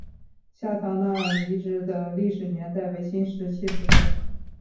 下堂那遗址的历史年代为新石器时代。